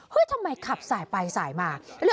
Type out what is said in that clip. ทำไมขับไหลมาอ่ะ